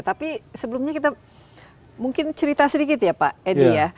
tapi sebelumnya kita mungkin cerita sedikit ya pak edi ya